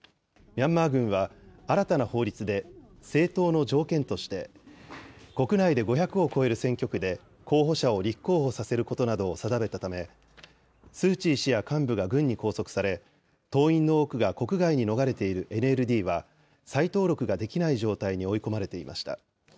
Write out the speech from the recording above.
ミャンマー軍は新たな法律で政党の条件として、国内で５００を超える選挙区で候補者を立候補させることなどを定めたため、スー・チー氏や幹部が軍に拘束され、党員の多くが国外に逃れているＮＬＤは再登録ができない状態に追い込まれていました。